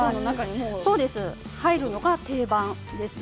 入るのが定番です。